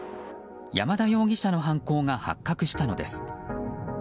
山田容疑者の犯行が発覚したのです。